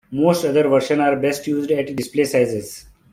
Most other versions are best used at display sizes.